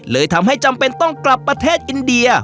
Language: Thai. เลยทำให้จำเป็นต้องกลับประเทศอินเดีย